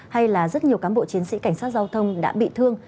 hay là rất nhiều cán bộ chiến sĩ cảnh sát giao thông đã bị thương